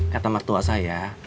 kata matua saya